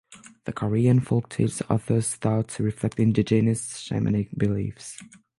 The Korean folktales are thus thought to reflect indigenous shamanic beliefs.